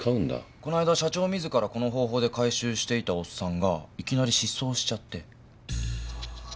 こないだ社長自らこの方法で回収していたおっさんがいきなり失踪しちゃって。